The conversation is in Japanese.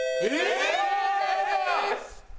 正解です。